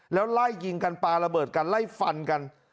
แล้วไล่ยิงกันปลาระเบิดกันไล่ฟันกัน